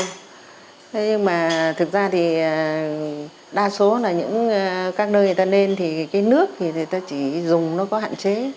thế nhưng mà thực ra thì đa số là những các nơi người ta nên thì cái nước thì người ta chỉ dùng nó có hạn chế